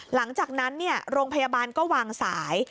หลังจากนั้นโรงพยาบาลก็วางสาย